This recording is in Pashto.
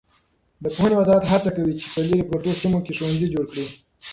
د پوهنې وزارت هڅه کوي چې په لیرې پرتو سیمو کې ښوونځي جوړ کړي.